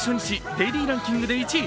デイリーランキングで１位。